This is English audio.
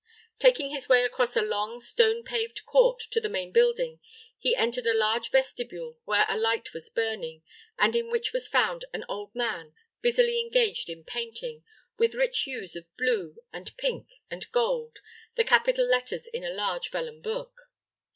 Taking his way across a long, stone paved court to the main building, he entered a large vestibule where a light was burning, and in which was found an old man busily engaged in painting, with rich hues of blue, and pink, and gold, the capital letters in a large vellum book.